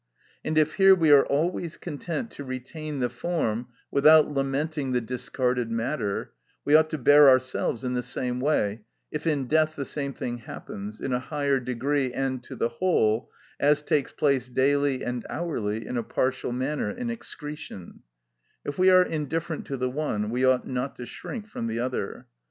And if here we are always content to retain the form without lamenting the discarded matter, we ought to bear ourselves in the same way if in death the same thing happens, in a higher degree and to the whole, as takes place daily and hourly in a partial manner in excretion: if we are indifferent to the one, we ought not to shrink from the other.